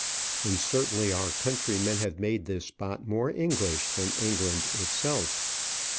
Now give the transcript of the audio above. And certainly our countrymen have made this spot more English than England itself.